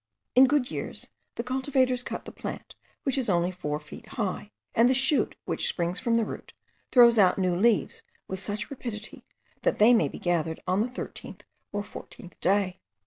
In good years the cultivators cut the plant when it is only four feet high; and the shoot which springs from the root, throws out new leaves with such rapidity that they may be gathered on the thirteenth or fourteenth day.